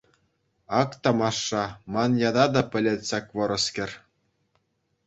Ак тамаша, ман ята та пӗлет ҫак вӑрӑскер.